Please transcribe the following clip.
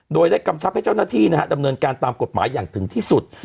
โดยได้กำชับให้เจ้าหน้าที่นะฮะดำเนินการตามกฎหมายอย่างถึงที่สุด